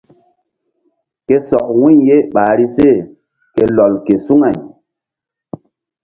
Ke sɔk wu̧y ye ɓahri se ke lɔl ke suŋay.